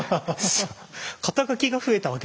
肩書が増えたわけですね。